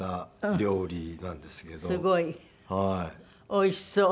おいしそう。